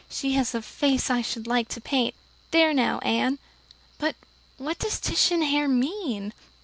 She has a face I should like to paint.' There now, Anne. But what does Titian hair mean?"